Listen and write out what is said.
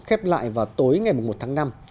khép lại vào tối ngày một tháng năm